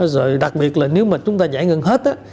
rồi đặc biệt là nếu mà chúng ta giải ngân hết á